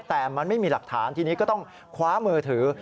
แต่มันไม่มีหลักฐานทีนี้ก็ต้องคว้ามือถือ